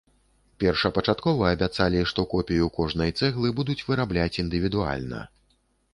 Першапачаткова абяцалі, што копію кожнай цэглы будуць вырабляць індывідуальна.